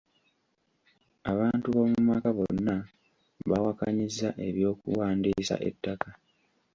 Abantu b'omu maka bonna baawakanyizza eky'okuwandiisa ettaka.